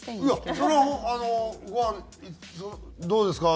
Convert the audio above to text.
いやそれはあの「どうですか？